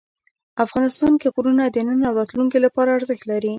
افغانستان کې غرونه د نن او راتلونکي لپاره ارزښت لري.